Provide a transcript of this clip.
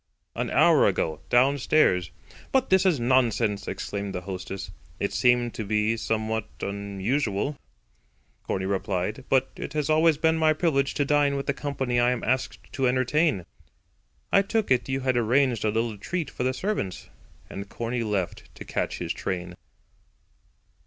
"An hour ago, downstairs." "But this is nonsense," exclaimed the hostess. "It seemed to me somewhat unusual," Corney replied; "but it has always been my privilege to dine with the company I am asked to entertain. I took it you had arranged a little treat for the servants." And Corney left to catch his train.